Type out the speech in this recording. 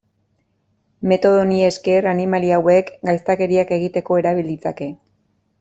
Metodo honi esker animali hauek gaiztakeriak egiteko erabil ditzake.